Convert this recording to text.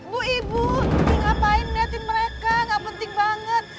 bu ibu ngapain ngeliatin mereka nggak penting banget